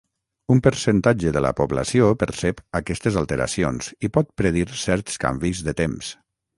Un percentatge de la població percep aquestes alteracions i pot predir certs canvis de temps.